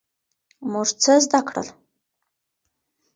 موږ څه زده کړل؟